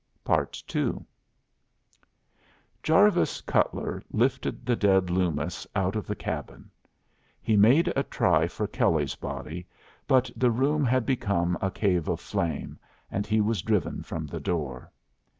II Jarvis Cutler lifted the dead Loomis out of the cabin. He made a try for Kelley's body, but the room had become a cave of flame, and he was driven from the door.